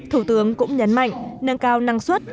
thủ tướng cũng nhấn mạnh năng cao năng suất